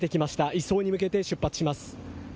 移送に向けて出発します。